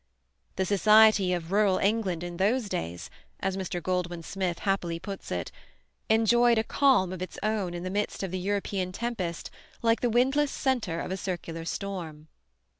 "The society of rural England in those days," as Mr. Goldwin Smith happily puts it, "enjoyed a calm of its own in the midst of the European tempest like the windless centre of a circular storm."